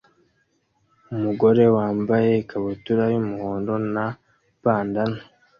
Umugore wambaye ikabutura yumuhondo na bandanna